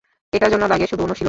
এটার জন্য লাগে শুধু অনুশীলন।